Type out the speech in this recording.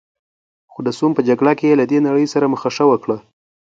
خو د سوم په جګړه کې یې له دې نړۍ سره مخه ښه وکړه.